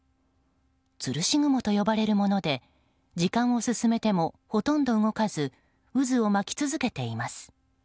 つるし雲と呼ばれるもので時間を進めてもほとんど動かず渦を巻き続けています。